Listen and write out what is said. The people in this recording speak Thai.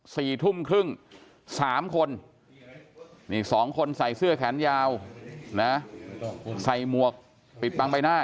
สี่ทุ่มครึ่งสามคนนี่สองคนใส่เสื้อแขนยาวนะใส่หมวกปิดบังใบหน้า